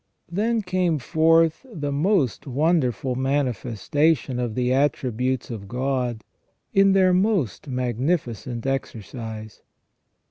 Then came forth the most wonderful manifestation of the attributes of God in their most magnificent exercise.